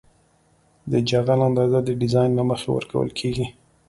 د جغل اندازه د ډیزاین له مخې ورکول کیږي